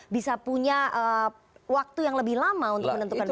bisa punya waktu yang lebih lama untuk menentukan pilihan